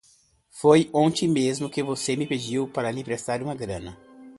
Foi ontem mesmo que você me pediu para lhe emprestar uma grana.